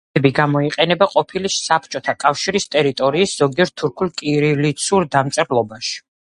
დიგრაფები გამოიყენება ყოფილი საბჭოთა კავშირის ტერიტორიის ზოგიერთ თურქულ კირილიცურ დამწერლობაში.